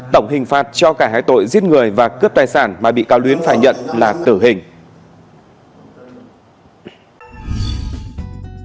tổng hình phạt cho cả hai tội giết người và cướp tài sản mà bị cáo luyến phải nhận là tử hình